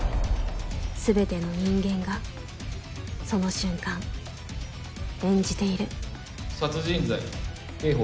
全ての人間がその瞬間演じている殺人罪刑法